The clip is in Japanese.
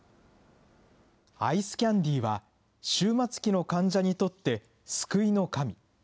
アイスキャンディーは終末期の患者にとって救いの神。